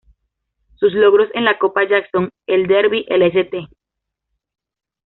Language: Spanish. Sus logros en la Copa Jackson, el Derby, el St.